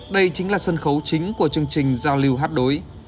đây chính là sân khấu chính của chương trình giao lưu hát đối